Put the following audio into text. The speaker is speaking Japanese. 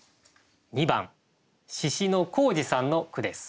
２番宍野宏治さんの句です。